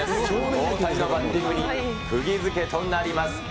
大谷のバッティングにくぎづけとなります。